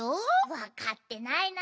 わかってないな。